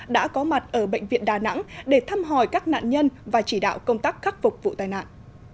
đã có mặt ở bệnh viện đà nẵng để thăm hỏi các nạn nhân và chỉ đạo công tác khắc phục vụ tai nạn